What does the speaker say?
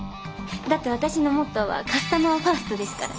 だって私のモットーはカスタマーファーストですから。